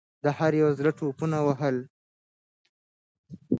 د هر یوه زړه ټوپونه وهل.